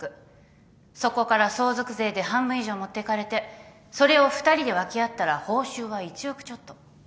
そこから相続税で半分以上持っていかれてそれを２人で分け合ったら報酬は１億ちょっと。